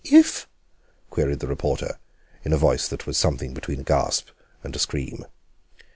"If?" queried the reporter, in a voice that was something between a gasp and a scream.